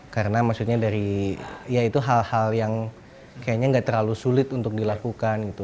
karena maksudnya dari ya itu hal hal yang kayaknya gak terlalu sulit untuk dilakukan gitu